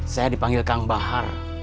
saya dipanggil kang bahar